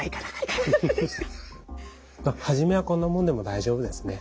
初めはこんなもんでも大丈夫ですね。